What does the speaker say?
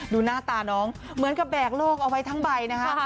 ดูหน้าตาน้องเหมือนกับแบกโลกเอาไว้ทั้งใบนะคะ